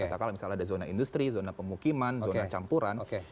katakanlah misalnya ada zona industri zona pemukiman zona campuran